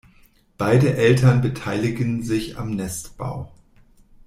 Beide Eltern beteiligen sich am Nestbau.